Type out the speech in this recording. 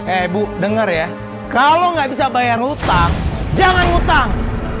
eh bu denger ya kalau nggak bisa bayar hutang jangan hutang